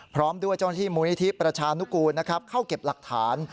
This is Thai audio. พร้อมด้วยเจ้านาทีมุนิทิประชานุกูลเข้าเก็บหลักฐาน